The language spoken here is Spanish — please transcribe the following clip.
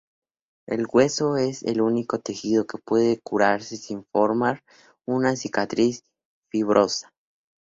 El hueso es el único tejido que puede curarse sin formar una cicatriz fibrosa.